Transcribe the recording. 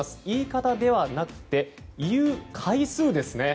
言い方ではなく言う回数です。